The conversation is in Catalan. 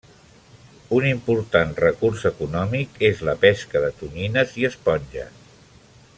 Un important recurs econòmic és la pesca de tonyines i esponges.